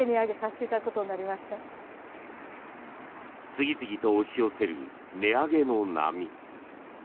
次々と押し寄せる値上げの波。